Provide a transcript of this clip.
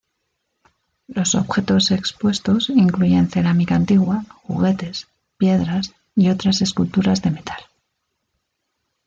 Los objetos expuestos incluyen cerámica antigua, juguetes, piedras y otras esculturas de metal.